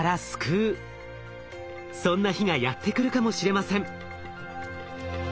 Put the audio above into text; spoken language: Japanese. そんな日がやってくるかもしれません。